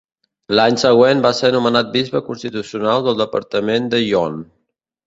L'any següent va ser nomenat bisbe constitucional del departament de Yonne.